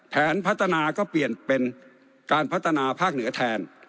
แผนพัฒนาก็เปลี่ยนเป็นการพัฒนาภาคเหนือแทน